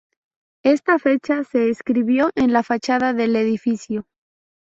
Esta fecha se escribió en la fachada del edificio.